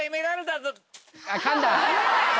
かんだ！